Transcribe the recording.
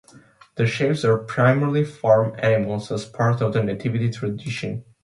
The shapes were primarily farm animals, as part of the Nativity tradition.